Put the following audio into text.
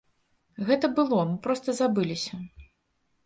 Гэта было, мы проста забыліся.